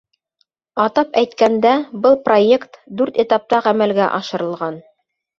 Атап әйткәндә, был проект дүрт этапта ғәмәлгә ашырылған.